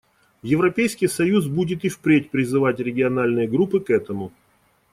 Европейский союз будет и впредь призывать региональные группы к этому.